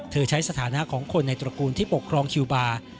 ใช้สถานะของคนในตระกูลที่ปกครองคิวบาร์